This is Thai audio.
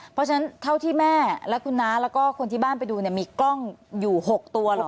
เพราะฉะนั้นเท่าที่แม่และคุณน้าแล้วก็คนที่บ้านไปดูเนี่ยมีกล้องอยู่๖ตัวเลย